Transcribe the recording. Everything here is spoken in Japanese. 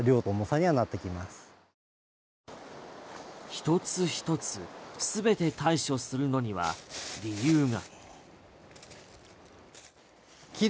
一つ一つ全て対処するのには理由が。